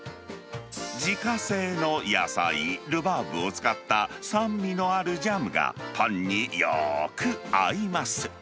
自家製の野菜、ルバーブを使った酸味のあるジャムが、パンによーく合います。